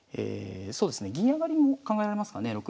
そうですね銀上がりも考えられますかね